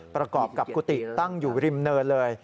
ประกอบกับกุฏิตั้งอยู่ริมเนินเลย